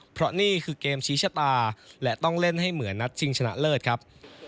เพราะนี่คือเกมชี้ชะตาและต้องเล่นให้เหมือนนัดชิงชนะเลิศครับ